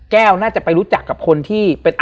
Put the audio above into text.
น่าจะไปรู้จักกับคนที่เป็น